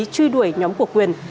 truy đuổi nhóm của quyền